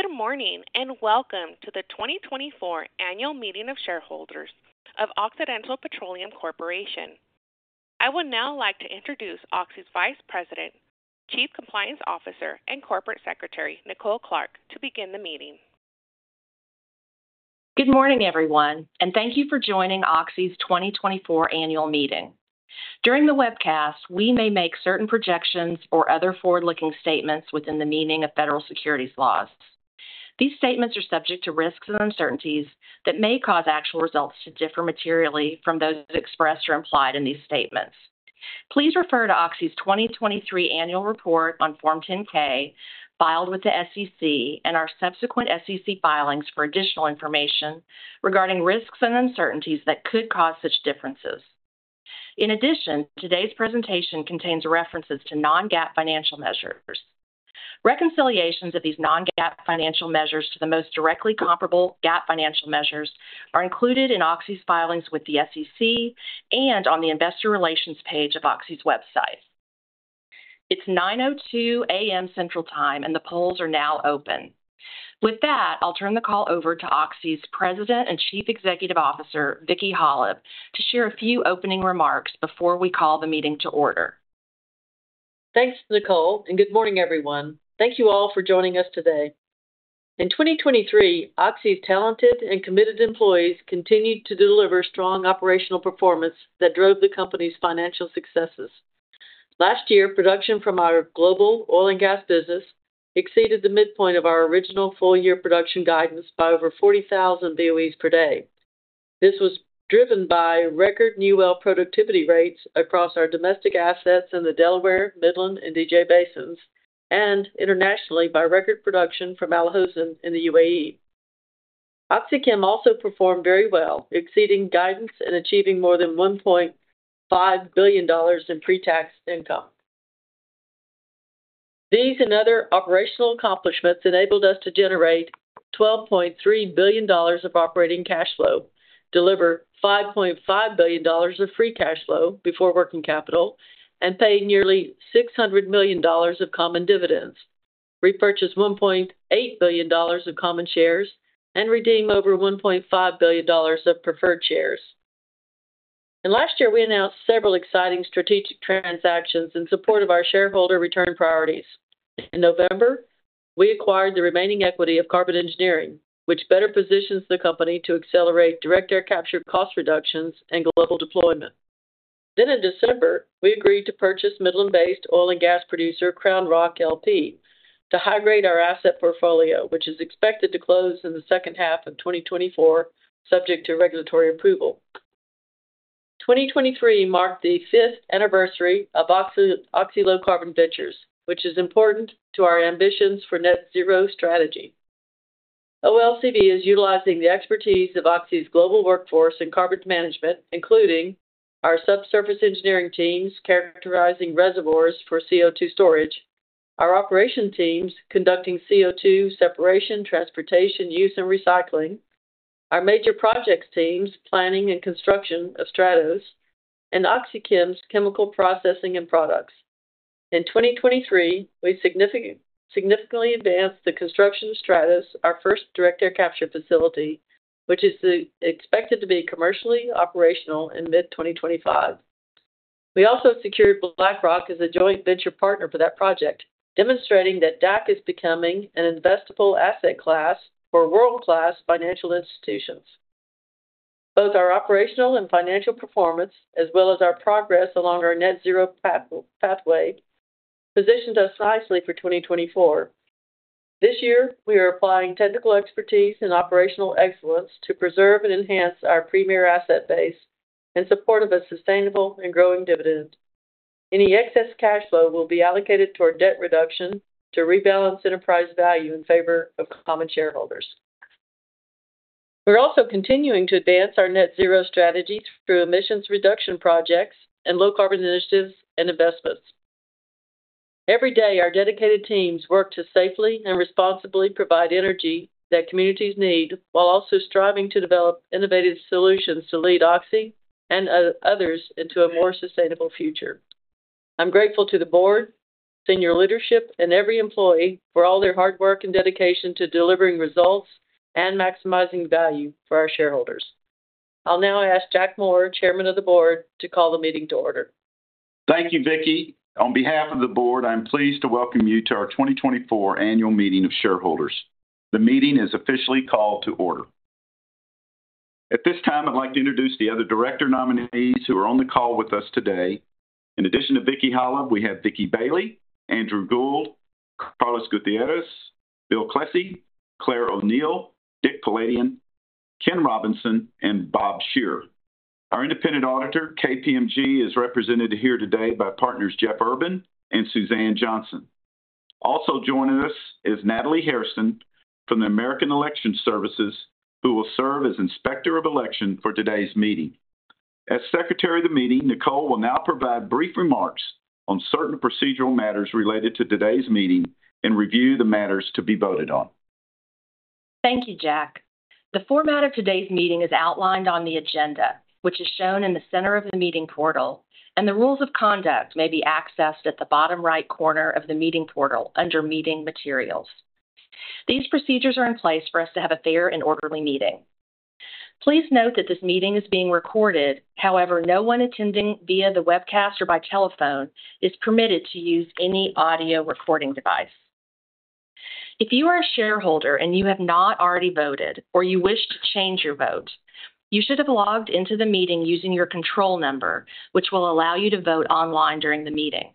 Good morning and welcome to the 2024 Annual Meeting of Shareholders of Occidental Petroleum Corporation. I would now like to introduce Oxy's Vice President, Chief Compliance Officer, and Corporate Secretary Nicole Clark to begin the meeting. Good morning, everyone, and thank you for joining Oxy's 2024 Annual Meeting. During the webcast, we may make certain projections or other forward-looking statements within the meaning of federal securities laws. These statements are subject to risks and uncertainties that may cause actual results to differ materially from those expressed or implied in these statements. Please refer to Oxy's 2023 Annual Report on Form 10-K, filed with the SEC, and our subsequent SEC filings for additional information regarding risks and uncertainties that could cause such differences. In addition, today's presentation contains references to non-GAAP financial measures. Reconciliations of these non-GAAP financial measures to the most directly comparable GAAP financial measures are included in Oxy's filings with the SEC and on the Investor Relations page of Oxy's website. It's 9:02 A.M. Central Time, and the polls are now open. With that, I'll turn the call over to Oxy's President and Chief Executive Officer Vicki Hollub to share a few opening remarks before we call the meeting to order. Thanks, Nicole, and good morning, everyone. Thank you all for joining us today. In 2023, Oxy's talented and committed employees continued to deliver strong operational performance that drove the company's financial successes. Last year, production from our global oil and gas business exceeded the midpoint of our original full-year production guidance by over 40,000 BOEs per day. This was driven by record new well productivity rates across our domestic assets in the Delaware, Midland, and DJ Basins, and internationally by record production from Al Hosn in the UAE. OxyChem also performed very well, exceeding guidance and achieving more than $1.5 billion in pre-tax income. These and other operational accomplishments enabled us to generate $12.3 billion of operating cash flow, deliver $5.5 billion of free cash flow before working capital, and pay nearly $600 million of common dividends, repurchase $1.8 billion of common shares, and redeem over $1.5 billion of preferred shares. Last year, we announced several exciting strategic transactions in support of our shareholder return priorities. In November, we acquired the remaining equity of Carbon Engineering, which better positions the company to accelerate direct air capture cost reductions and global deployment. Then in December, we agreed to purchase Midland-based oil and gas producer Crown Rock, LP, to high-grade our asset portfolio, which is expected to close in the second half of 2024, subject to regulatory approval. 2023 marked the fifth anniversary of Oxy Low Carbon Ventures, which is important to our ambitions for net-zero strategy. OLCV is utilizing the expertise of Oxy's global workforce in carbon management, including our subsurface engineering teams characterizing reservoirs for CO2 storage, our operations teams conducting CO2 separation, transportation, use, and recycling, our major projects teams planning and construction of STRATOS, and OxyChem's chemical processing and products. In 2023, we significantly advanced the construction of Stratos, our first direct air capture facility, which is expected to be commercially operational in mid-2025. We also secured BlackRock as a joint venture partner for that project, demonstrating that DAC is becoming an investable asset class for world-class financial institutions. Both our operational and financial performance, as well as our progress along our net-zero pathway, positioned us nicely for 2024. This year, we are applying technical expertise and operational excellence to preserve and enhance our premier asset base in support of a sustainable and growing dividend. Any excess cash flow will be allocated toward debt reduction to rebalance enterprise value in favor of common shareholders. We're also continuing to advance our net-zero strategy through emissions reduction projects and low-carbon initiatives and investments. Every day, our dedicated teams work to safely and responsibly provide energy that communities need while also striving to develop innovative solutions to lead Oxy and others into a more sustainable future. I'm grateful to the board, senior leadership, and every employee for all their hard work and dedication to delivering results and maximizing value for our shareholders. I'll now ask Jack Moore, Chairman of the Board, to call the meeting to order. Thank you, Vicki. On behalf of the board, I'm pleased to welcome you to our 2024 Annual Meeting of Shareholders. The meeting is officially called to order. At this time, I'd like to introduce the other director nominees who are on the call with us today. In addition to Vicki Hollub, we have Vicki Bailey, Andrew Gould, Carlos Gutierrez, Bill Klesse, Claire O'Neill, Dick Poladian, Ken Robinson, and Bob Shearer. Our independent auditor, KPMG, is represented here today by partners Jeff Urban and Suzanne Johnson. Also joining us is Natalie Harrison from the American Election Services, who will serve as inspector of election for today's meeting. As secretary of the meeting, Nicole will now provide brief remarks on certain procedural matters related to today's meeting and review the matters to be voted on. Thank you, Jack. The format of today's meeting is outlined on the agenda, which is shown in the center of the meeting portal, and the rules of conduct may be accessed at the bottom right corner of the meeting portal under Meeting Materials. These procedures are in place for us to have a fair and orderly meeting. Please note that this meeting is being recorded. However, no one attending via the webcast or by telephone is permitted to use any audio recording device. If you are a shareholder and you have not already voted or you wish to change your vote, you should have logged into the meeting using your control number, which will allow you to vote online during the meeting.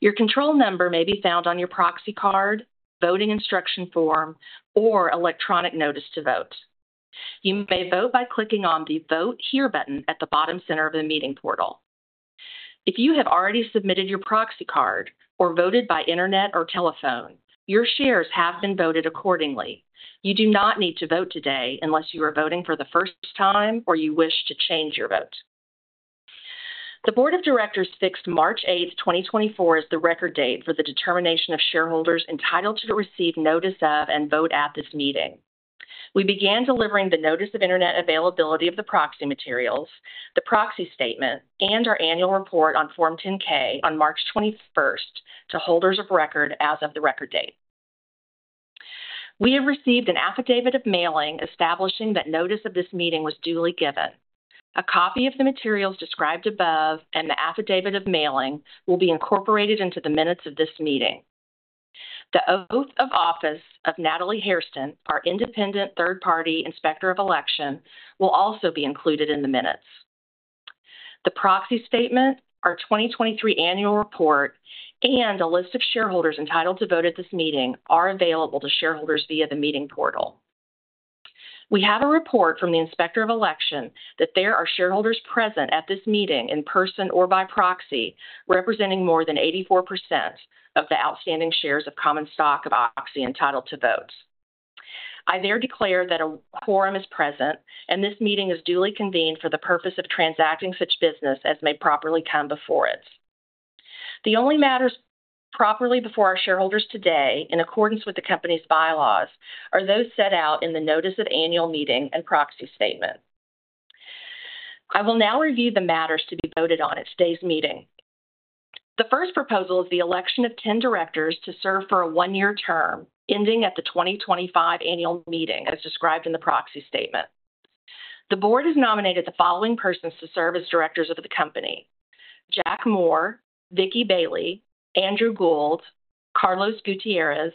Your control number may be found on your proxy card, voting instruction form, or electronic notice to vote. You may vote by clicking on the Vote Here button at the bottom center of the meeting portal. If you have already submitted your proxy card or voted by internet or telephone, your shares have been voted accordingly. You do not need to vote today unless you are voting for the first time or you wish to change your vote. The Board of Directors fixed March 8, 2024, as the record date for the determination of shareholders entitled to receive notice of and vote at this meeting. We began delivering the Notice of Internet Availability of the Proxy Materials, the Proxy Statement, and our Annual Report on Form 10-K on March 21 to holders of record as of the record date. We have received an affidavit of mailing establishing that notice of this meeting was duly given. A copy of the materials described above and the affidavit of mailing will be incorporated into the minutes of this meeting. The Oath of Office of Natalie Harrison, our independent third-party inspector of election, will also be included in the minutes. The Proxy Statement, our 2023 Annual Report, and a list of shareholders entitled to vote at this meeting are available to shareholders via the meeting portal. We have a report from the inspector of election that there are shareholders present at this meeting in person or by proxy representing more than 84% of the outstanding shares of common stock of Oxy entitled to votes. I therefore declare that a quorum is present and this meeting is duly convened for the purpose of transacting such business as may properly come before it. The only matters properly before our shareholders today in accordance with the company's bylaws are those set out in the Notice of Annual Meeting and Proxy Statement. I will now review the matters to be voted on at today's meeting. The first proposal is the election of 10 directors to serve for a one-year term ending at the 2025 Annual Meeting, as described in the Proxy Statement. The board has nominated the following persons to serve as directors of the company: Jack Moore, Vicki Bailey, Andrew Gould, Carlos Gutierrez,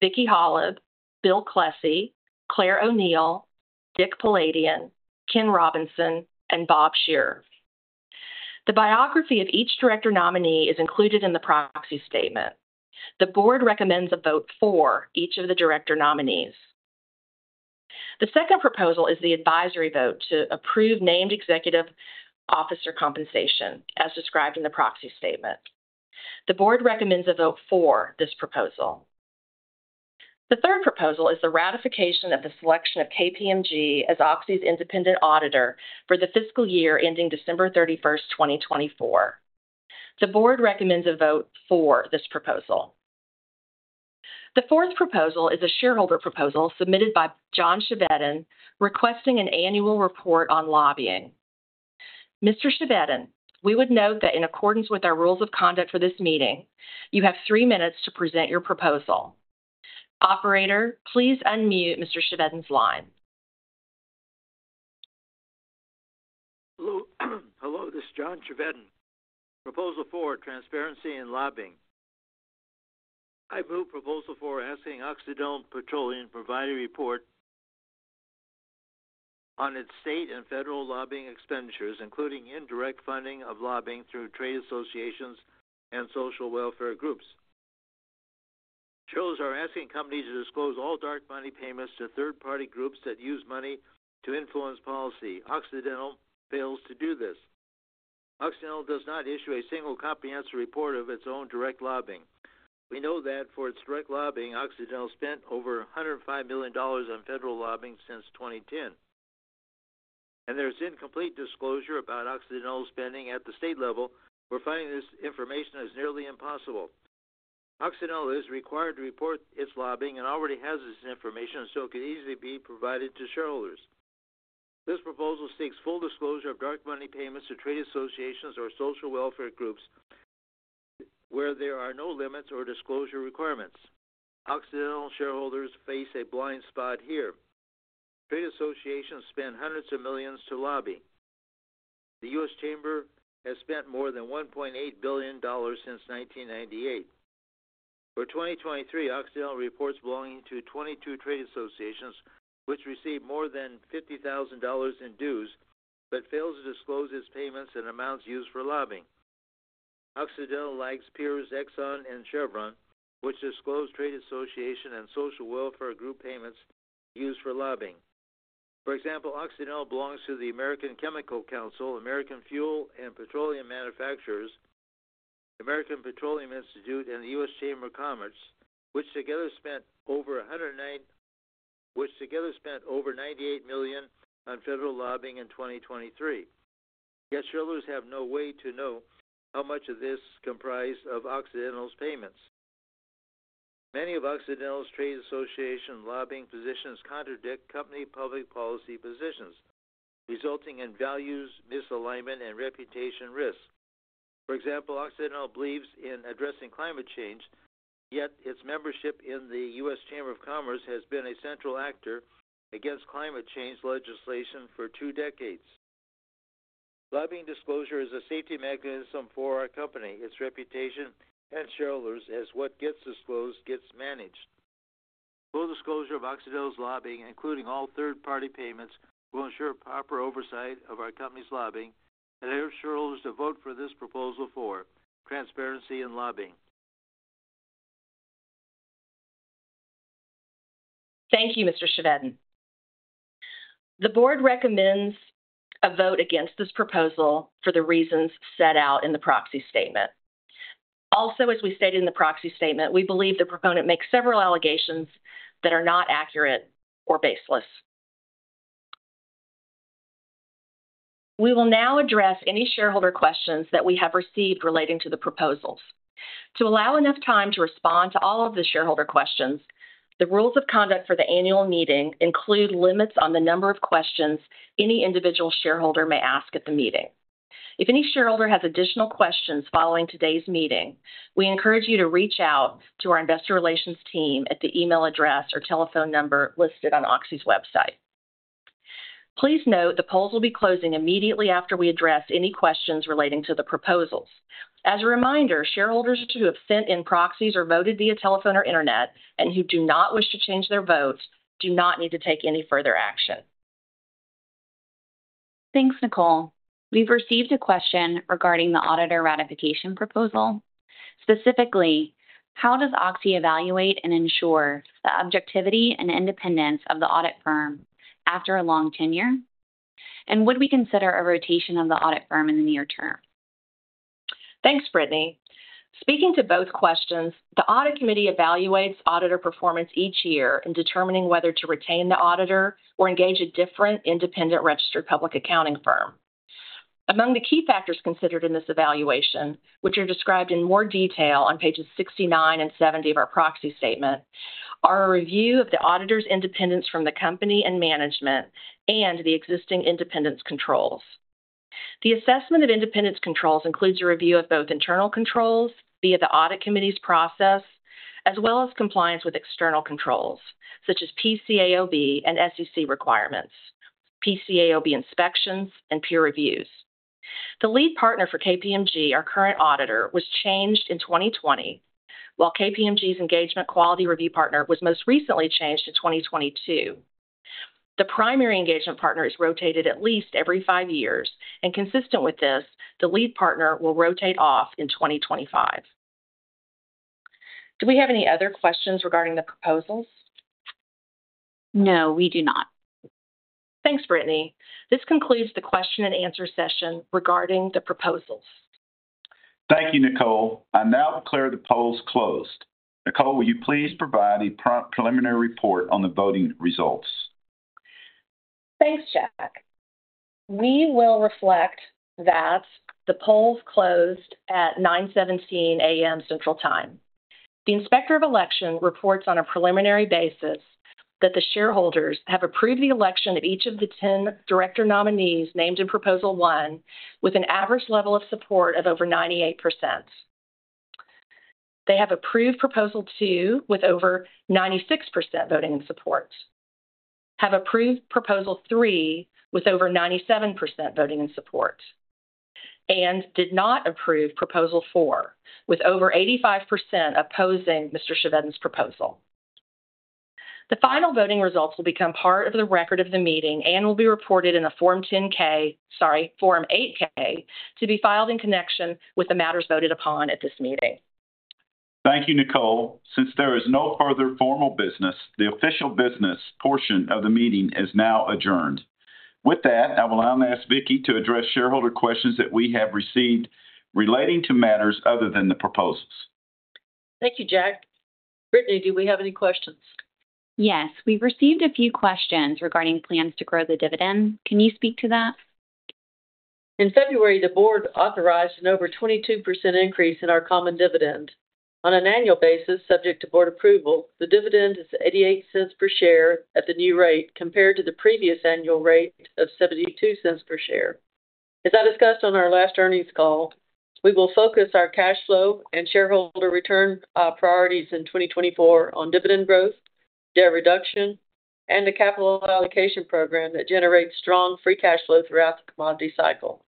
Vicki Hollub, Bill Klesse, Claire O'Neill, Dick Poladian, Ken Robinson, and Bob Scheer. The biography of each director nominee is included in the Proxy Statement. The board recommends a vote for each of the director nominees. The second proposal is the advisory vote to approve named executive officer compensation, as described in the Proxy Statement. The board recommends a vote for this proposal. The third proposal is the ratification of the selection of KPMG as Oxy's independent auditor for the fiscal year ending December 31, 2024. The board recommends a vote for this proposal. The fourth proposal is a shareholder proposal submitted by John Chevedden requesting an annual report on lobbying. Mr. Chevedden, we would note that in accordance with our rules of conduct for this meeting, you have three minutes to present your proposal. Operator, please unmute Mr. Chevedden's line. Hello. Hello. This is John Chevedden, Proposal 4, Transparency and Lobbying. I move Proposal 4 asking Occidental Petroleum provide a report on its state and federal lobbying expenditures, including indirect funding of lobbying through trade associations and social welfare groups. Shareholders are asking companies to disclose all dark money payments to third-party groups that use money to influence policy. Occidental Petroleum fails to do this. Occidental Petroleum does not issue a single comprehensive report of its own direct lobbying. We know that for its direct lobbying, Occidental Petroleum spent over $105 million on federal lobbying since 2010. There is incomplete disclosure about Occidental Petroleum spending at the state level. We're finding this information is nearly impossible. Occidental Petroleum is required to report its lobbying and already has this information, so it could easily be provided to shareholders. This proposal seeks full disclosure of dark money payments to trade associations or social welfare groups where there are no limits or disclosure requirements. Oxy shareholders face a blind spot here. Trade associations spend hundreds of millions to lobby. The U.S. Chamber has spent more than $1.8 billion since 1998. For 2023, Oxy reports belonging to 22 trade associations, which received more than $50,000 in dues but fails to disclose its payments and amounts used for lobbying. Oxy lags peers Exxon and Chevron, which disclose trade association and social welfare group payments used for lobbying. For example, Oxy belongs to the American Chemistry Council, American Fuel and Petroleum Manufacturers, American Petroleum Institute, and the U.S. Chamber of Commerce, which together spent over $198 million on federal lobbying in 2023. Yet shareholders have no way to know how much of this comprised of Oxy's payments. Many of Oxy's trade association lobbying positions contradict company public policy positions, resulting in values misalignment and reputation risk. For example, Oxy believes in addressing climate change, yet its membership in the U.S. Chamber of Commerce has been a central actor against climate change legislation for two decades. Lobbying disclosure is a safety mechanism for our company, its reputation, and shareholders as what gets disclosed gets managed. Full disclosure of Oxy's lobbying, including all third-party payments, will ensure proper oversight of our company's lobbying. I urge shareholders to vote for this proposal for transparency and lobbying. Thank you, Mr. Chevedden. The board recommends a vote against this proposal for the reasons set out in the Proxy Statement. Also, as we stated in the Proxy Statement, we believe the proponent makes several allegations that are not accurate or baseless. We will now address any shareholder questions that we have received relating to the proposals. To allow enough time to respond to all of the shareholder questions, the rules of conduct for the annual meeting include limits on the number of questions any individual shareholder may ask at the meeting. If any shareholder has additional questions following today's meeting, we encourage you to reach out to our investor relations team at the email address or telephone number listed on Oxy's website. Please note the polls will be closing immediately after we address any questions relating to the proposals. As a reminder, shareholders who have sent in proxies or voted via telephone or internet and who do not wish to change their votes do not need to take any further action. Thanks, Nicole. We've received a question regarding the auditor ratification proposal. Specifically, how does Oxy evaluate and ensure the objectivity and independence of the audit firm after a long tenure? And would we consider a rotation of the audit firm in the near term? Thanks, Brittany. Speaking to both questions, the audit committee evaluates auditor performance each year in determining whether to retain the auditor or engage a different independent registered public accounting firm. Among the key factors considered in this evaluation, which are described in more detail on pages 69 and 70 of our Proxy Statement, are a review of the auditor's independence from the company and management and the existing independence controls. The assessment of independence controls includes a review of both internal controls via the audit committee's process, as well as compliance with external controls such as PCAOB and SEC requirements, PCAOB inspections, and peer reviews. The lead partner for KPMG, our current auditor, was changed in 2020, while KPMG's engagement quality review partner was most recently changed in 2022. The primary engagement partner is rotated at least every five years, and consistent with this, the lead partner will rotate off in 2025. Do we have any other questions regarding the proposals? No, we do not. Thanks, Brittany. This concludes the question-and-answer session regarding the proposals. Thank you, Nicole. I now declare the polls closed. Nicole, will you please provide a preliminary report on the voting results? Thanks, Jack. We will reflect that the polls closed at 9:17 A.M. Central Time. The inspector of election reports on a preliminary basis that the shareholders have approved the election of each of the 10 director nominees named in Proposal 1 with an average level of support of over 98%. They have approved Proposal 2 with over 96% voting in support, have approved Proposal 3 with over 97% voting in support, and did not approve Proposal 4 with over 85% opposing Mr. Chevedden's proposal. The final voting results will become part of the record of the meeting and will be reported in the Form 10-K, sorry, Form 8-K, to be filed in connection with the matters voted upon at this meeting. Thank you, Nicole. Since there is no further formal business, the official business portion of the meeting is now adjourned. With that, I will now ask Vicki to address shareholder questions that we have received relating to matters other than the proposals. Thank you, Jack. Brittany, do we have any questions? Yes. We've received a few questions regarding plans to grow the dividend. Can you speak to that? In February, the board authorized an over 22% increase in our common dividend. On an annual basis, subject to board approval, the dividend is $0.88 per share at the new rate compared to the previous annual rate of $0.72 per share. As I discussed on our last earnings call, we will focus our cash flow and shareholder return priorities in 2024 on dividend growth, debt reduction, and a capital allocation program that generates strong free cash flow throughout the commodity cycle.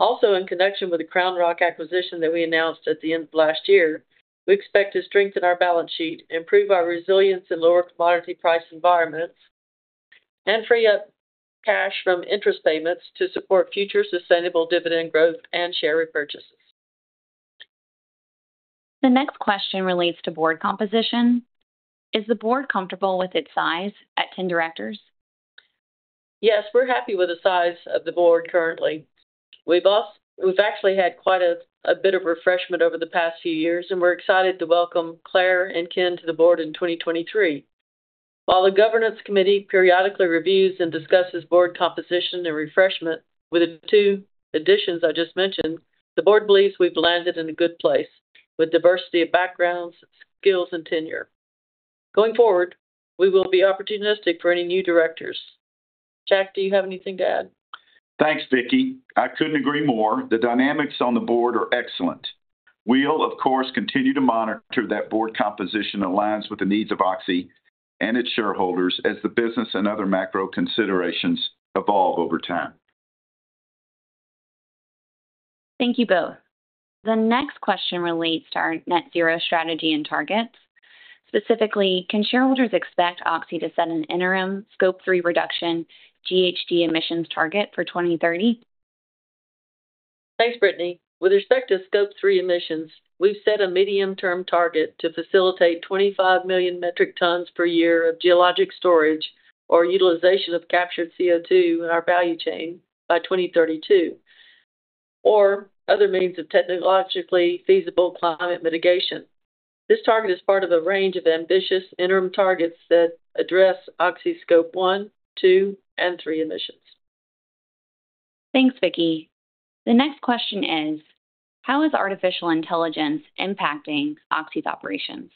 Also, in connection with the Crown Rock acquisition that we announced at the end of last year, we expect to strengthen our balance sheet, improve our resilience in lower commodity price environments, and free up cash from interest payments to support future sustainable dividend growth and share repurchases. The next question relates to board composition. Is the board comfortable with its size at 10 directors? Yes, we're happy with the size of the board currently. We've actually had quite a bit of refreshment over the past few years, and we're excited to welcome Claire and Ken to the board in 2023. While the governance committee periodically reviews and discusses board composition and refreshment with the two additions I just mentioned, the board believes we've landed in a good place with diversity of backgrounds, skills, and tenure. Going forward, we will be opportunistic for any new directors. Jack, do you have anything to add? Thanks, Vicki. I couldn't agree more. The dynamics on the board are excellent. We'll, of course, continue to monitor that board composition aligns with the needs of Oxy and its shareholders as the business and other macro considerations evolve over time. Thank you both. The next question relates to our net-zero strategy and targets. Specifically, can shareholders expect Oxy to set an interim Scope 3 reduction GHG emissions target for 2030? Thanks, Brittany. With respect to Scope 3 Emissions, we've set a medium-term target to facilitate 25 million metric tons per year of geologic storage or utilization of captured CO2 in our value chain by 2032, or other means of technologically feasible climate mitigation. This target is part of a range of ambitious interim targets that address Oxy's Scope 1, 2, and 3 Emissions. Thanks, Vicki. The next question is, how is artificial intelligence impacting Oxy's operations?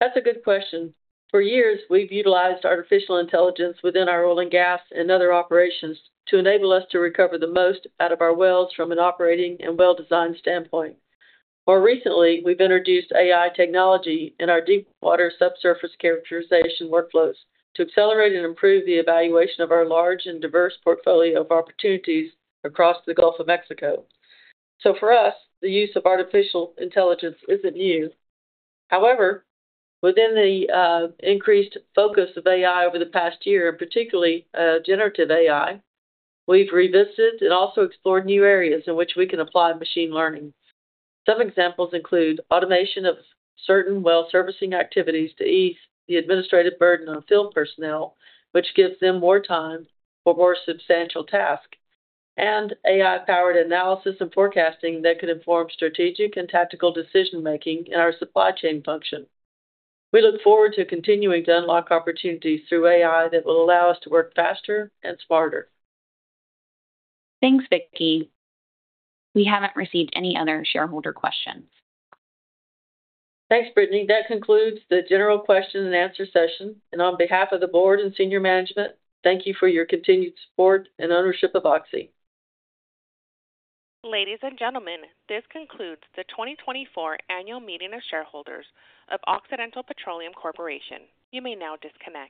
That's a good question. For years, we've utilized artificial intelligence within our oil and gas and other operations to enable us to recover the most out of our wells from an operating and well-design standpoint. More recently, we've introduced AI technology in our deepwater subsurface characterization workflows to accelerate and improve the evaluation of our large and diverse portfolio of opportunities across the Gulf of Mexico. So for us, the use of artificial intelligence isn't new. However, within the increased focus of AI over the past year, and particularly generative AI, we've revisited and also explored new areas in which we can apply machine learning. Some examples include automation of certain well servicing activities to ease the administrative burden on field personnel, which gives them more time for more substantial tasks, and AI-powered analysis and forecasting that could inform strategic and tactical decision-making in our supply chain function. We look forward to continuing to unlock opportunities through AI that will allow us to work faster and smarter. Thanks, Vicki. We haven't received any other shareholder questions. Thanks, Brittany. That concludes the general question-and-answer session. On behalf of the board and senior management, thank you for your continued support and ownership of Oxy. Ladies and gentlemen, this concludes the 2024 annual meeting of shareholders of Occidental Petroleum Corporation. You may now disconnect.